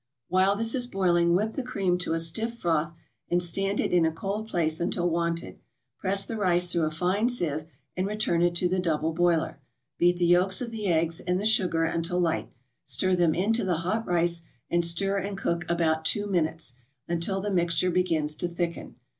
While this is boiling, whip the cream to a stiff froth, and stand it in a cold place until wanted. Press the rice through a fine sieve and return it to the double boiler. Beat the yolks of the eggs and the sugar until light, stir them into the hot rice, and stir and cook about two minutes, until the mixture begins to thicken.